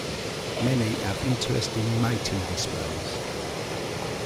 Many have interesting mating displays.